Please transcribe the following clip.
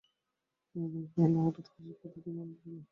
বিনোদিনী কহিল, হঠাৎ হাসির কথা কী মনে পড়িল।